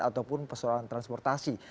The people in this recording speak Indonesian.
ataupun persoalan transportasi